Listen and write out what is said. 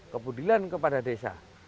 kepedulian kepada desa